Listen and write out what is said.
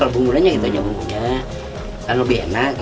setelah itu selesai